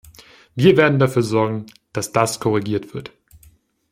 Wir werden dafür sorgen, dass das korrigiert wird.